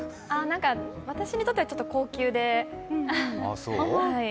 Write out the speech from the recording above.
私にとってはちょっと高級で。